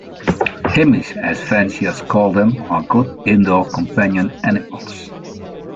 Himmies, as fanciers call them, are good indoor companion animals.